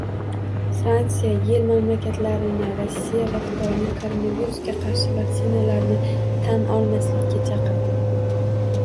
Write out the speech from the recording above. Fransiya YeI mamlakatlarini Rossiya va Xitoyning koronavirusga qarshi vaksinalarini tan olmaslikka chaqirdi